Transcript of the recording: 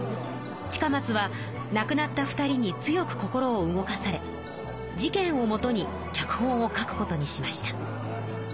近松はなくなった２人に強く心を動かされ事件をもとに脚本を書くことにしました。